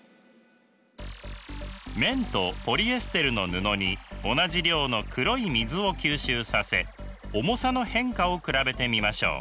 綿とポリエステルの布に同じ量の黒い水を吸収させ重さの変化を比べてみましょう。